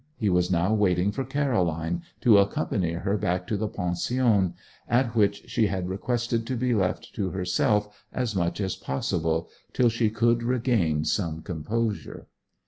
He was now waiting for Caroline, to accompany her back to the pension, at which she had requested to be left to herself as much as possible till she could regain some composure.